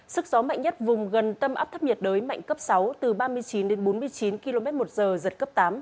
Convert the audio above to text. sức gió mạnh nhất vùng gần tâm áp thấp nhiệt đới mạnh cấp sáu từ ba mươi chín đến bốn mươi chín km một giờ giật cấp tám